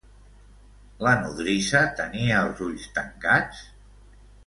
La nodrissa tenia els ulls tancats?